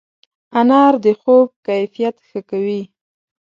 انار د خوب کیفیت ښه کوي.